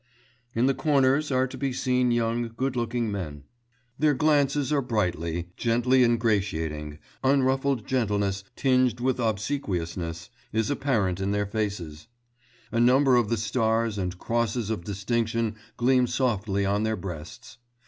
_' In the corners are to be seen young, good looking men; their glances are brightly, gently ingratiating; unruffled gentleness, tinged with obsequiousness, is apparent in their faces; a number of the stars and crosses of distinction gleam softly on their breasts.